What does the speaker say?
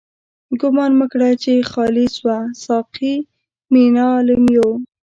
ګومان مه کړه چی خالی شوه، ساقی مينا له ميو